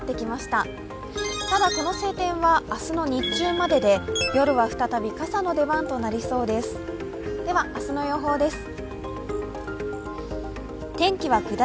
ただ、この晴天は明日の日中までで夜は再び傘の出番となりそうです。